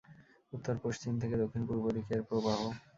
উত্তর-পশ্চিম থেকে দক্ষিণ-পূর্ব দিকে এর প্রবাহ।